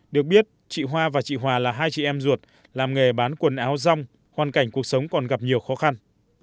được biết chị hoa và chị hòa là hai chị em ruột làm nghề bán quần áo rong hoàn cảnh cuộc sống còn gặp nhiều khó khăn